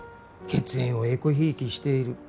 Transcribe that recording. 血縁をえこひいきしている。